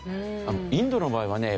インドの場合はね